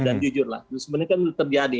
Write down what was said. dan jujur lah sebenarnya kan terjadi